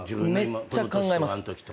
めっちゃ考えます。